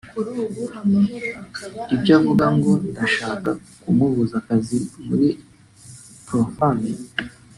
Ibyo avuga ngo ndashaka kumubuza akazi muri Profemmes